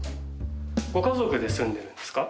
ご家族で住んでるんですか？